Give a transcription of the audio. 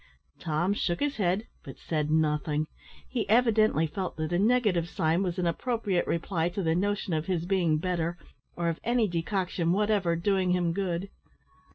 Tom shook his head, but said nothing. He evidently felt that a negative sign was an appropriate reply to the notion of his being better, or of any decoction whatever doing him good.